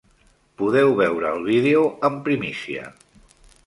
Podeu veure el vídeo en primícia.